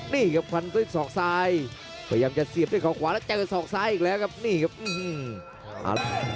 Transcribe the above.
นี่ครับฟันด้วยศอกซ้ายพยายามจะเสียบด้วยเขาขวาแล้วเจอศอกซ้ายอีกแล้วครับนี่ครับ